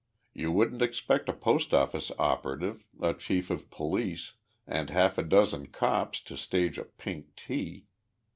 You wouldn't expect a post office operative, a chief of police, and half a dozen cops to stage a pink tea.